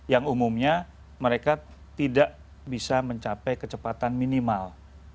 yang umumnya mereka tidak bisa mencapai kecepatan minimal